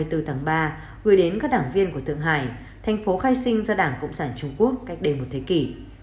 hai mươi bốn tháng ba gửi đến các đảng viên của thượng hải thành phố khai sinh ra đảng cộng sản trung quốc cách đây một thế kỷ